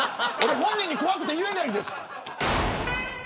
本人に怖くて言えないんです。